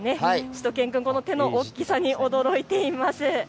しゅと犬くん、手の大きさに驚いています。